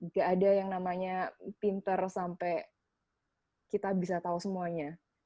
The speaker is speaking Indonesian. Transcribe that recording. gak ada yang namanya pinter sampai kita bisa tahu semuanya